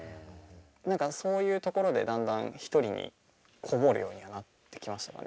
何かそういうところでだんだん一人に籠もるようにはなってきましたかね。